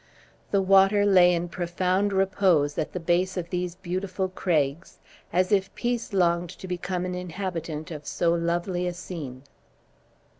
The water lay in profound repose at the base of these beautiful craigs, as if peace longed to become an inhabitant of so lovely a scene.